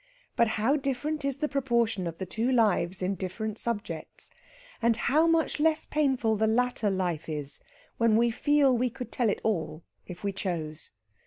But how different is the proportion of the two lives in different subjects! And how much less painful the latter life is when we feel we could tell it all if we chose.